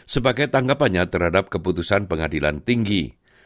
sebagai tanggapannya terhadap keputusan pengadilan tinggi